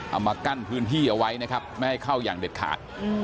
เอามากั้นพื้นที่เอาไว้นะครับไม่ให้เข้าอย่างเด็ดขาด